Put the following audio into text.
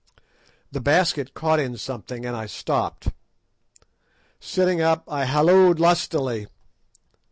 The basket caught in something and I stopped. Sitting up I halloed lustily.